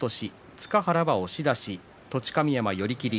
塚原、押し出し栃神山、寄り切り。